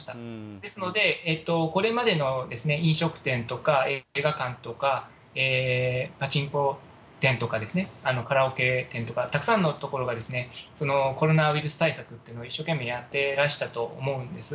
ですので、これまでの飲食店とか映画館とかパチンコ店とかですね、カラオケ店とか、たくさんの所がコロナウイルス対策というのを一生懸命やってらしたと思うんです。